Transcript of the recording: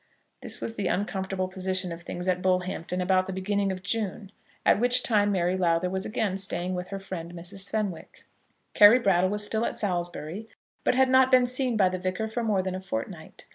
This was the uncomfortable position of things at Bullhampton about the beginning of June, at which time Mary Lowther was again staying with her friend Mrs. Fenwick. Carry Brattle was still at Salisbury, but had not been seen by the Vicar for more than a fortnight.